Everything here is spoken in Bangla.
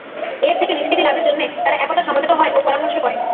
এর থেকে নিষ্কৃতি লাভের জন্যে তারা একদা সমবেত হয় ও পরামর্শ করে।